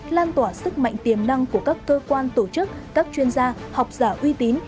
lan tỏa sức mạnh tiềm năng của các cơ quan tổ chức các chuyên gia học giả uy tín